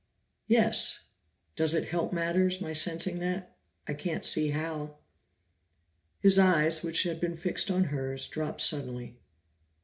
"Yes. Does it help matters, my sensing that? I can't see how." His eyes, which had been fixed on hers, dropped suddenly.